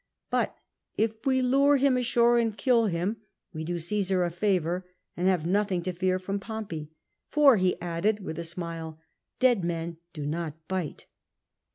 But if we lure him ashore and kill him, we do Caesar a favour, and have nothing to fear from Pompey. For,'' he added, with a smile, '' dead men do not bite."